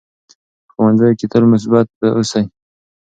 په ښوونځي کې تل مثبت اوسئ.